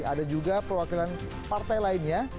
ada juga perwakilan partai lainnya